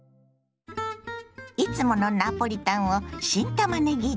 いつものナポリタンを新たまねぎで。